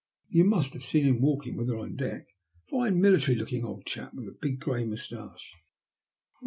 You must have seen him walking with her on deck — a fine, military.looking old chap, with a big grey moustache."